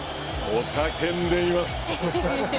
おたけんでいます。